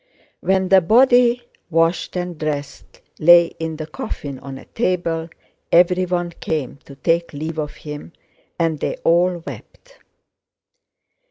When the body, washed and dressed, lay in the coffin on a table, everyone came to take leave of him and they all wept.